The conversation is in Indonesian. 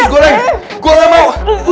gue gak mau